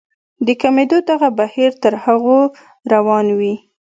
د کمېدو دغه بهير تر هغو روان وي.